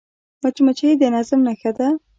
مچمچۍ د نظم نښه ده